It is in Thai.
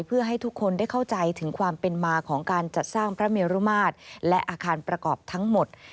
เพื่อให้ทุกคนได้เข้าใจถึงความเป็นมาของการจัดสร้างพระเมรุมาตรและอาคารประกอบทั้งหมด